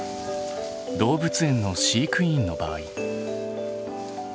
動物園の飼育員の場合。